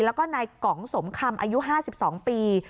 แล้วก็นายกองสมคำอายุ๕๒ปี